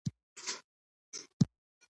عطر نه لري په ځان کي ستا له څنګه ټوله مړه دي